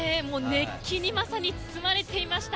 熱気にまさに包まれていました。